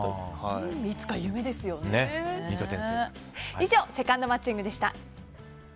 以上、セカンド街ングでした。